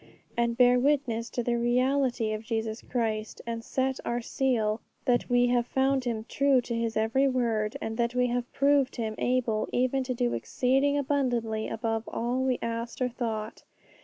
and bear witness to the reality of Jesus Christ, and set to our seal that we have found Him true to His every word, and that we have proved Him able even to do exceeding abundantly above all we asked or thought.